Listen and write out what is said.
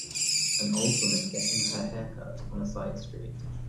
an old woman getting her haircut on a side street.